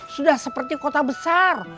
sudah seperti kota besar